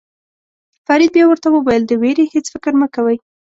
فرید بیا ورته وویل د وېرې هېڅ فکر مه کوئ.